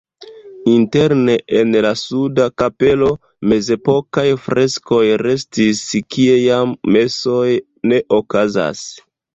Interne en la suda kapelo mezepokaj freskoj restis, kie jam mesoj ne okazas.